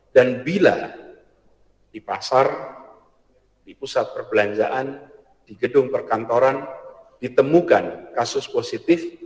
bila di pasar di pusat perbelanjaan di gedung perkantoran ditemukan kasus positif